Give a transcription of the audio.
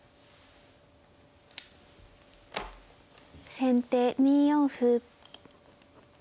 先手２四歩。